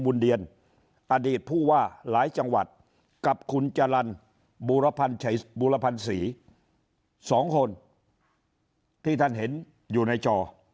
เดียนอดีตผู้ว่าหลายจังหวัดกับคุณจรรย์บูรพันธ์บูรพันธ์ศรี๒คนที่ท่านเห็นอยู่ในจอ